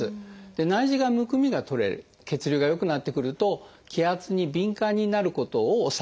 内耳がむくみが取れ血流が良くなってくると気圧に敏感になることを抑える。